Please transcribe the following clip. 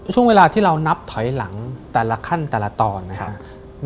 ช่วงเวลาที่เรานับถอยหลังแต่ละขั้นแต่ละตอนนะครับ